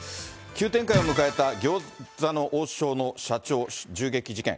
急展開を迎えた餃子の王将の社長銃撃事件。